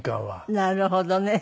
なるほどね。